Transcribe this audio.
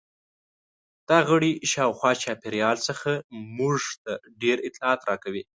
دا غړي شاوخوا چاپیریال څخه موږ ته ډېر اطلاعات راکوي.